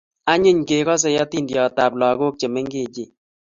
anyiny ke kosei atindiotab lagok che mengechen